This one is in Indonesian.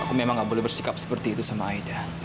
aku memang gak boleh bersikap seperti itu sama aida